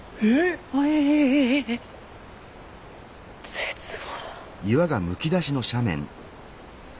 絶望。